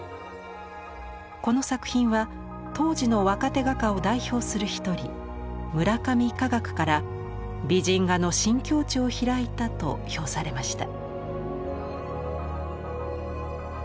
この作品は当時の若手画家を代表する一人村上華岳から美人画の新境地を開いたと評されました。